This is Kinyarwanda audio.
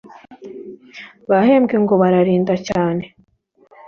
bahembwe ngo bararinda cyane